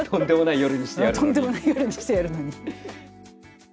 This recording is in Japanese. とんでもない夜にしてやるのに。